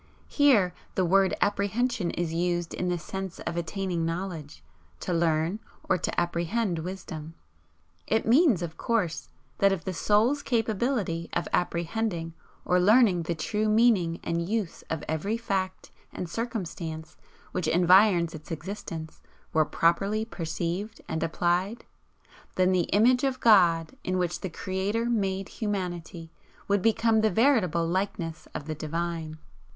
Here the word 'apprehension' is used in the sense of attaining knowledge, to learn, or to 'apprehend' wisdom. It means, of course, that if the Soul's capability of 'apprehending' or learning the true meaning and use of every fact and circumstance which environs its existence, were properly perceived and applied, then the 'Image of God' in which the Creator made humanity, would become the veritable likeness of the Divine.